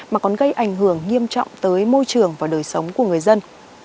mà còn gây ảnh hưởng nghiêm trọng tới môi trường và đời sống của người dân